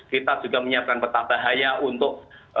kita juga menyiapkan peta bahaya untuk